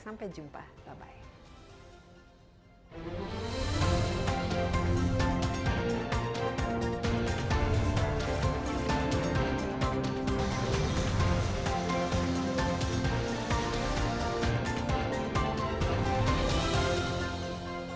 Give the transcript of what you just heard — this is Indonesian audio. sampai jumpa bye bye